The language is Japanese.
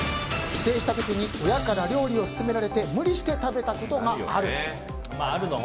帰省した時に親から料理をすすめられて無理して食べたことがある？